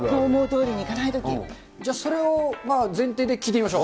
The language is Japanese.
じゃあ、それを前提で聴いてみましょう。